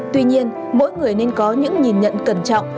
tuy nhiên mỗi người nên có những nhìn nhận cẩn trọng